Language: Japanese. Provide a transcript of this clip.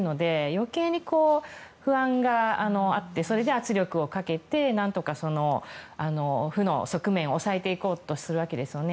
余計に不安があってそれで圧力をかけて何とか負の側面を抑えていこうとするわけですね。